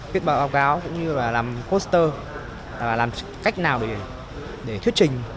viết báo cáo cũng như là làm poster làm cách nào để thuyết trình